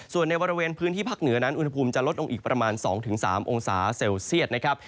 ส่วนในบริเวณพื้นที่ภาคเหนือนั้นอุณหภูมิจะลดลงอีกประมาณ๒๓องศาเซลเซียตนะครับ